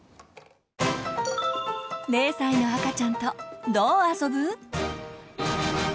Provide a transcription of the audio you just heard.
０歳の赤ちゃんとどう遊ぶ？